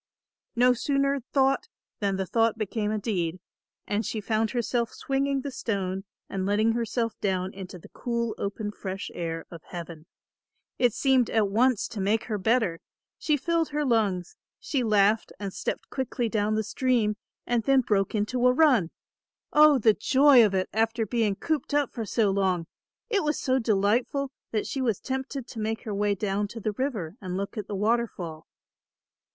No sooner thought than the thought became a deed, and she found herself swinging the stone and letting herself down into the cool open fresh air of heaven. It seemed at once to make her better; she filled her lungs, she laughed and stepped quickly down the stream, and then broke into a run. Oh, the joy of it after being cooped up for so long. It was so delightful that she was tempted to make her way down to the river and look at the waterfall.